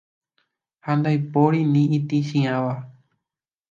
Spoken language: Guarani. ha ndaipóri ni itĩchiãva